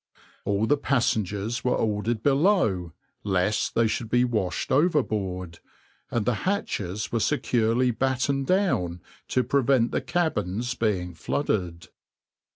All the passengers were ordered below lest they should be washed overboard, and the hatches were securely battened down to prevent the cabins being flooded.